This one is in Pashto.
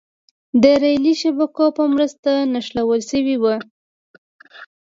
د رېلي شبکو په مرسته نښلول شوې وه.